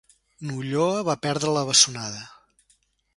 N'Ulloa va perdre la bessonada.